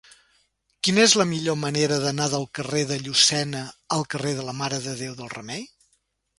Quina és la millor manera d'anar del carrer de Llucena al carrer de la Mare de Déu del Remei?